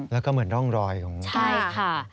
แล้วก็เหมือนร่องรอยของใช่ค่ะ